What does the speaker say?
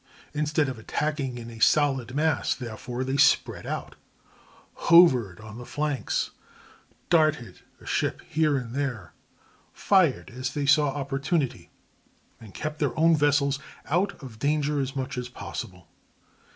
Instead of attacking in a solid mass, therefore, they spread out, hovered on the flanks, darted a ship here and there, fired as they saw opportunity, and kept their own vessels out of danger as much as possible.